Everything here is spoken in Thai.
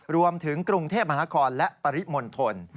รวมถึงกรุงเทพมหานครและปริมณฑล